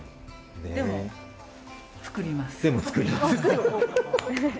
でも作ります。